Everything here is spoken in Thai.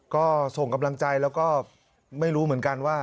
ก็ส่งกำลังใจแล้วก็ไม่รู้เหมือนกันว่า